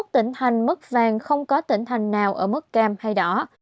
bốn mươi một tỉnh thành mức vàng không có tỉnh thành nào ở mức cam hay đỏ